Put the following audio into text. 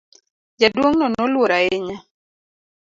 Jaduong' no noluor ahinya.